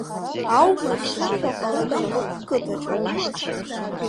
Аума ззырҳәо ҟаланы иҟоуп ҳқыҭаҿы.